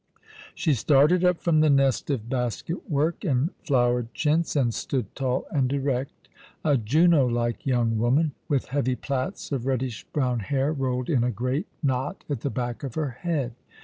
She started up from the nest of basket work and flowered chintz, and stood tall and erect, a Juno like young woman, with heavy plaits of reddish brown hair rolled in a great knot at the back of her head.